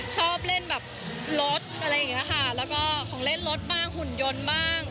ชอบเล่นแบบรถอะไรอย่างนี้ค่ะแล้วก็ของเล่นรถบ้างหุ่นยนต์บ้าง